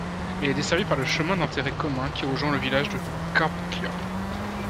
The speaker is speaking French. Elle est desservie par le chemin d'intérêt commun qui rejoint le village de Carbuccia.